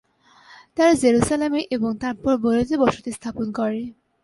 তারা জেরুজালেমে এবং তারপর বৈরুতে বসতি স্থাপন করে।